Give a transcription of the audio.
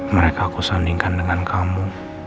mereka aku sandingkan dengan kamu